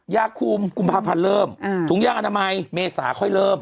ยาคุมกุมภาพันธ์เริ่มถุงยางอนามัยเมษาค่อยเริ่ม